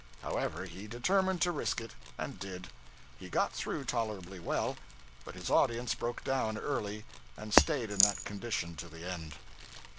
However, he determined to risk it; and did. He got through tolerably well; but his audience broke down early, and stayed in that condition to the end.